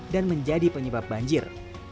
dan menjadi penyebab banjir